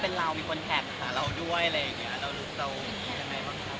เป็นเรามีคนแขตกับเราด้วย